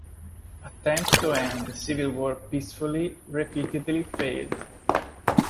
Attempts to end the civil war peacefully repeatedly failed.